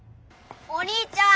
お兄ちゃん。